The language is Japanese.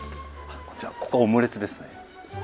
じゃあここはオムレツですね。